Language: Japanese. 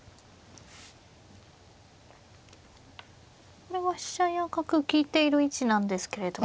これは飛車や角利いている位置なんですけれども。